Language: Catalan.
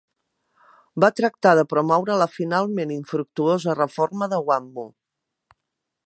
Va tractar de promoure la finalment infructuosa Reforma de Gwangmu.